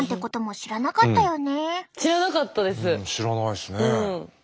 知らなかったね。